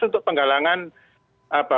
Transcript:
untuk penggalangan apa